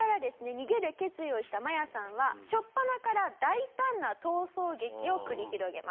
逃げる決意をしたマヤさんは初っぱなから大胆な逃走劇を繰り広げます。